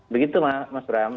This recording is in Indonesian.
begitu mas buram